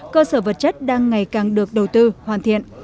cơ sở vật chất đang ngày càng được đầu tư hoàn thiện